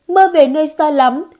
mơ về nơi xa lắm